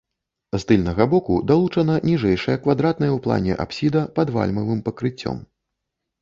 З тыльнага боку далучана ніжэйшая квадратная ў плане апсіда пад вальмавым пакрыццём.